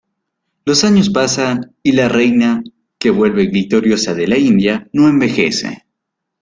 Los años pasan y la reina, que vuelve victoriosa de la India, no envejece.